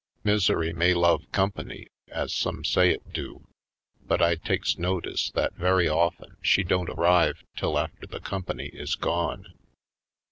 Misery may love com pany, as some say it do, but I takes notice that very often she don't arrive till after the company is gone.